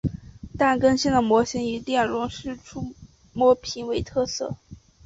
但更新的模型以电容式触摸屏为特色。